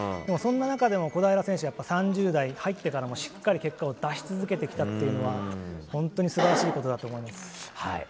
そんな中でも小平選手は３０代に入ってからもしっかり結果を出し続けてきたというのは本当に素晴らしいことだと思います。